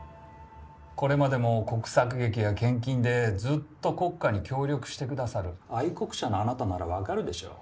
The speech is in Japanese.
これまでも国策劇や献金でずっと国家に協力して下さる愛国者のあなたなら分かるでしょう。